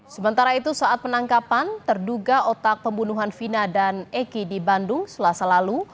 sementara itu saat penangkapan terduga otak pembunuhan vina dan eki di bandung selasa lalu